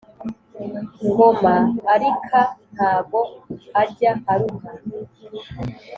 Ngoma arika ntago ajya aruha